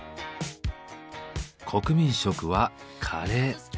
国民食はカレー。